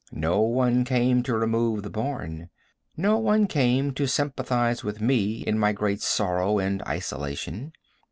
No one came to remove the barn. No one came to sympathize with me in my great sorrow and isolation.